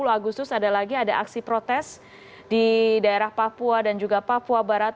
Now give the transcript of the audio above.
sepuluh agustus ada lagi ada aksi protes di daerah papua dan juga papua barat